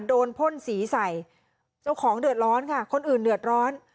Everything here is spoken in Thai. พ่นสีใส่เจ้าของเดือดร้อนค่ะคนอื่นเดือดร้อน